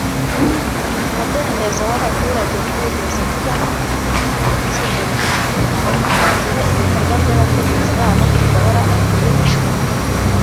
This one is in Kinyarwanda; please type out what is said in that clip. umudendezo w'abaturage ntiwigeze ubaho, nta nubwo uzigera ugira umutekano, igihe ibikorwa by'abategetsi babo bishobora kubihishwa